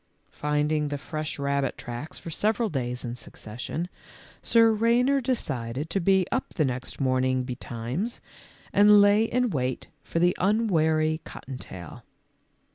Finding the fresh rabbit tracks for several BOB'S REVENGE. 141 days in succession, Sir Reynard decided to be up the next morning betimes, and lay in wait for the unwary cotton tail.